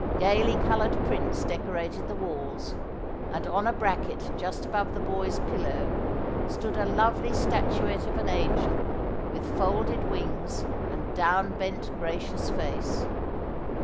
Gaily coloured prints decorated the walls, and on a bracket just above the boy's pillow stood a lovely statuette of an angel, with folded wings and down bent gracious face.